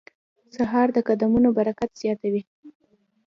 سهار د قدمونو برکت زیاتوي.